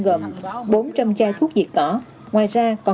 gồm bốn trăm linh chai thuốc diệt cỏ